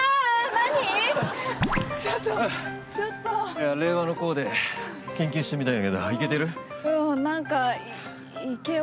いや令和のコーデ研究してみたんだけどイケてる？